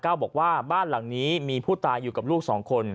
บอกว่าบ้านหลังนี้มีผู้ตายอยู่กับลูกสองคน